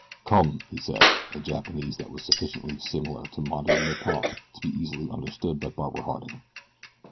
"Come!" he said, in Japanese that was sufficiently similar to modern Nippon to be easily understood by Barbara Harding.